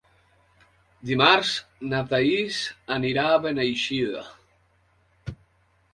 Dimarts na Thaís anirà a Beneixida.